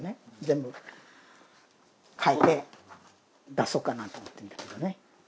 全部書いて出そうかなと思っているんだけどね。